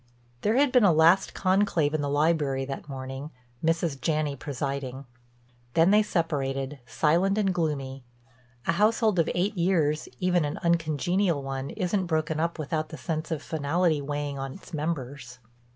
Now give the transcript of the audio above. There had been a last conclave in the library that morning, Mrs. Janney presiding. Then they separated, silent and gloomy—a household of eight years, even an uncongenial one, isn't broken up without the sense of finality weighing on its members.